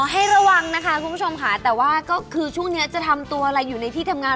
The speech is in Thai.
ให้ระวังนะคะคุณผู้ชมค่ะแต่ว่าก็คือช่วงนี้จะทำตัวอะไรอยู่ในที่ทำงาน